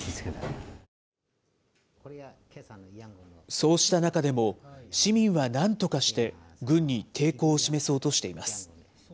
そうした中でも、市民はなんとかして軍に抵抗を示そうとしています。